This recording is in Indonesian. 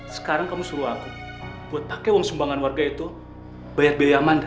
sekarang kamu suruh aku buat pakai uang sumbangan warga itu bayar biaya mandi